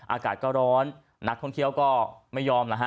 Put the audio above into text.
อากาศก็ร้อนนักท่องเที่ยวก็ไม่ยอมนะฮะ